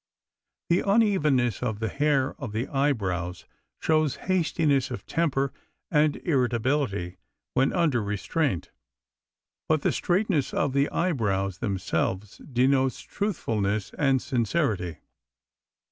The unevenness of the hair of the eyebrows shows hastiness of temper and irritability when under restraint, but the straightness of the eyebrows themselves denotes truthfulness and sincerity.